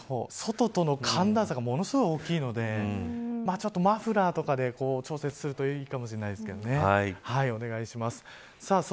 外との寒暖差がものすごい大きいのでマフラーとかで調節するといいかもしれません。